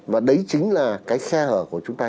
và đấy chính là cái xe hở của chúng ta